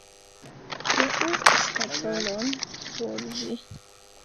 Kreu skatolon por ĝi!